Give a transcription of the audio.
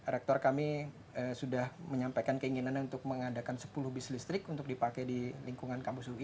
rektor kami sudah menyampaikan keinginannya untuk mengadakan sepuluh bis listrik untuk dipakai di lingkungan kampus ug